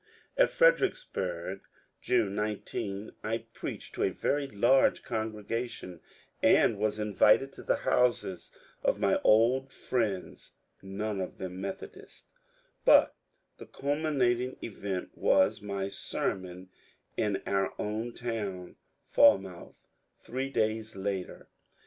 At Fredericksburg, June 19, I preached to a very large congregation, and was invited to the houses of my old friends (none of them Methodists) ; but the culminating event was my sermon in our own town, Falmouth, three days later.